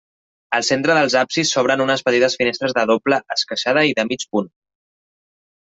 Al centre dels absis s'obren unes petites finestres de doble esqueixada i de mig punt.